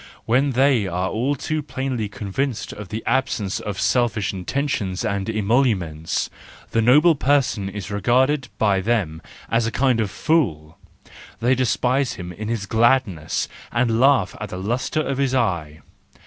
When they are all too plainly convinced of the absence of selfish intentions and emoluments, the noble person is regarded by them as a kind of fool: they despise him in his gladness, and laugh at the lustre of his eye.